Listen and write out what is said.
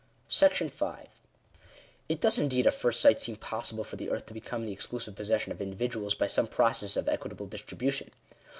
§5. It does indeed at first sight seem possible for the earth to become the exclusive possession of individuals by some process of equitable distribution.